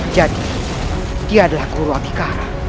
jadi dia adalah guru abhikara